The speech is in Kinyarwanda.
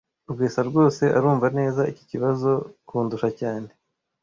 Rwesa rwose arumva neza iki kibazo kundusha cyane